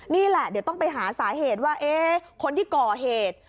นี่แหละเดี๋ยวต้องไปหาสาเหตุว่าคนที่ก่อเหตุ